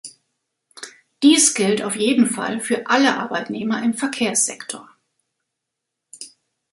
Dies gilt auf jeden Fall für alle Arbeitnehmer im Verkehrssektor.